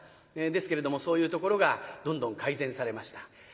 ですけれどもそういうところがどんどん改善されました。